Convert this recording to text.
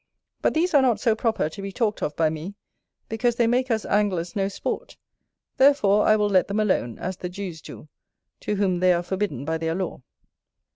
But these are not so proper to be talked of by me, because they make us anglers no sport; therefore I will let them alone, as the Jews do, to whom they are forbidden by their law.